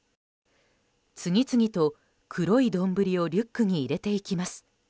次々と黒い丼をリュックに入れていきます。